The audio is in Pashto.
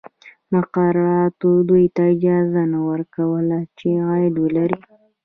مقرراتو دوی ته اجازه نه ورکوله چې عاید ولري.